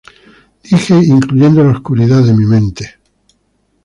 Dije, incluyendo la oscuridad de mi mente.